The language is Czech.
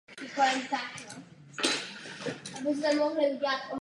Velitelem věznice byl vyšetřovatel štábní kapitán Jindřich Pergl.